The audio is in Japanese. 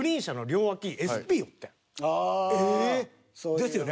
ですよね？